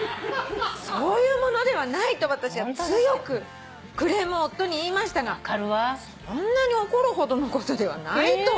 「そういうものではない！と私は強くクレームを夫に言いましたがそんなに怒るほどのことではないと言います」